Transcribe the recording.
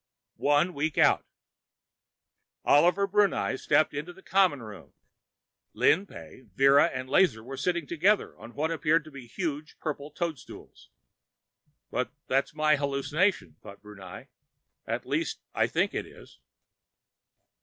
One week out: Oliver Brunei stepped into the common room. Lin Pey, Vera, and Lazar were sitting together, on what appeared to be a huge purple toadstool. But that's my hallucination, thought Brunei. _At least, I think it is.